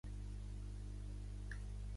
Van seguir els zírides.